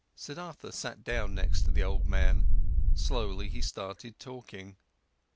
Siddhartha sat down next to the old man, slowly he started talking.